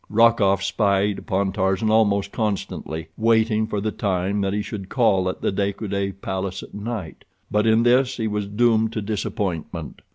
Rokoff spied upon Tarzan almost constantly, waiting for the time that he should call at the De Coude palace at night, but in this he was doomed to disappointment.